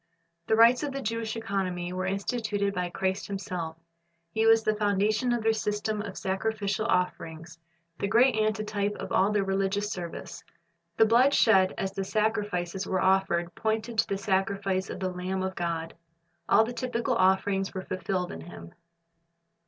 The rites of the Jewish economy were instituted by Christ Himself He was the foundation of their system of sacrificial offerings, the great antitype of all their religious service. The blood shed as the sacrifices were offered pointed to the sacrifice of the Lamb of God. All the typical offerings were fulfilled in Him.